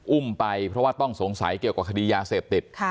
อุ้มไปเพราะว่าต้องสงสัยเกี่ยวกับคดียาเสพติด